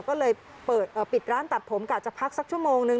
ก็เลยเปิดปิดร้านตัดผมกะจะพักสักชั่วโมงนึง